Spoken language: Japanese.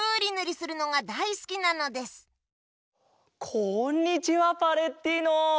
こんにちはパレッティーノ。